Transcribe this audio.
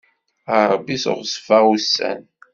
A Ṛebbi seɣzef-as ussan.